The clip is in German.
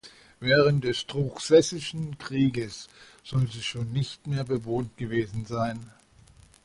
Während des Truchsessischen Krieges soll sie schon nicht mehr bewohnt gewesen sein.